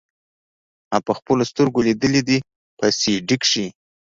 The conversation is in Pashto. ما پخپلو سترګو ليدلي دي په سي ډي کښې.